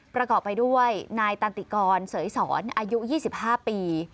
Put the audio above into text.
ประกอบไปด้วยนายตันติกรเสยสอนอายุ๒๕ปี